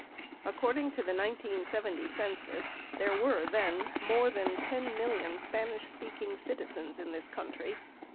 68 According to the 1970 census, there were then more than 10 million Spanish speaking citizens in this country.